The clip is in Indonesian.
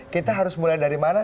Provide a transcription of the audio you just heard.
kita harus mulai dari mana